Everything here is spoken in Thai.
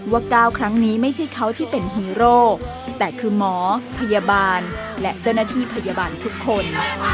๙ครั้งนี้ไม่ใช่เขาที่เป็นฮีโร่แต่คือหมอพยาบาลและเจ้าหน้าที่พยาบาลทุกคน